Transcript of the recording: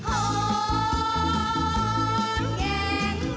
อ้าว